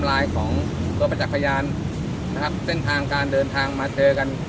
และตัวประจักษ์พยานของเดินทางเส้นทางการเดินทางมาเทากัน